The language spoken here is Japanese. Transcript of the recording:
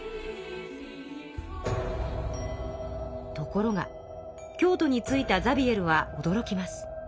ところが京都に着いたザビエルはおどろきます。